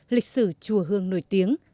lịch sử chùa hương nổi tiếng